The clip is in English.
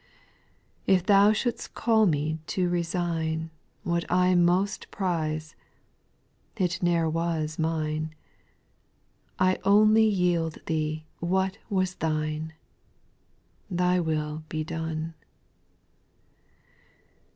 2. If Thou should'st call me to resign What most I prize, — it ne'er was mine ;— 1 only yield Thee what was Thine 1 —" Thy will be done."